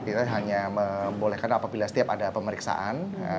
kita hanya membolehkan apabila setiap ada pemeriksaan